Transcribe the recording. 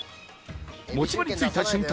持ち場に就いた瞬間